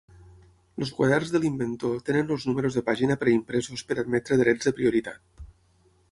Els quaderns de l'inventor tenen els números de pàgina preimpresos per admetre drets de prioritat.